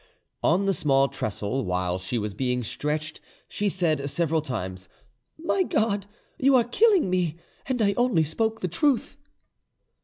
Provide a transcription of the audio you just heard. "On the small trestle, while she was being stretched, she said several times, 'My God! you are killing me! And I only spoke the truth.